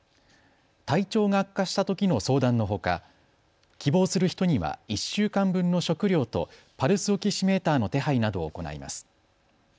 体調が悪化したときの相談のほか希望する人には１週間分の食料とパルスオキシメーターの手配などを行います。